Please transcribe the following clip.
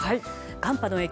寒波の影響